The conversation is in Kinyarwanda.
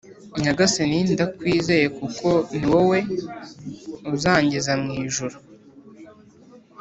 Nyagasani ndakwizeye kuko niwowe uzangeza mu ijuru